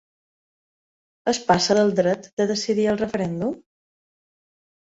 Es passa del dret de decidir al referèndum?